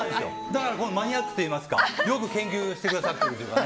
だからマニアックというかよく研究してくださっていて。